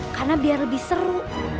karena biar lebih seru